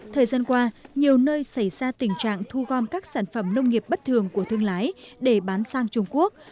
thời gian qua nhiều nơi xảy ra tình trạng thu gom các sản phẩm nông nghiệp bất thường của thương lái để bán sang trung quốc